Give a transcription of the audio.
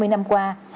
hai mươi năm qua